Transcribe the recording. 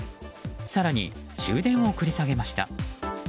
更に、終電を繰り下げました。